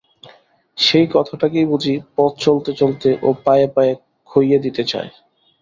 সেই কথাটাকেই বুঝি পথ চলতে চলতে ও পায়ে পায়ে খইয়ে দিতে চায়।